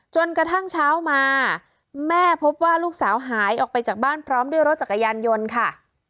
จนกระทั่งเช้ามาแม่พบว่าลูกสาวหายออกไปจากบ้านพร้อมด้วยรถจักรยานยนต์ค่ะ